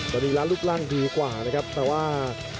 ตอนนี้ร้านรูปร่างดีกว่านะครับแต่ว่า